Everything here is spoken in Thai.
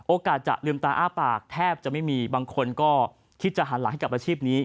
จะลืมตาอ้าปากแทบจะไม่มีบางคนก็คิดจะหันหลังให้กับอาชีพนี้